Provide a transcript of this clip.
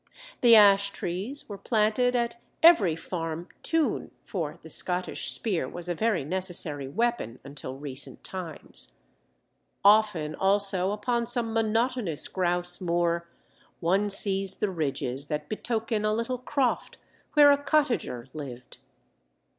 The ash trees were planted at every farm "toon," for the Scottish spear was a very necessary weapon until recent times. Often also, upon some monotonous grouse moor, one sees the ridges that betoken a little croft where a cottager lived.